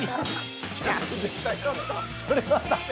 それは駄目！